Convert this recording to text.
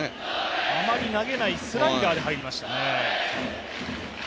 あまり投げないスライダーで入りましたね。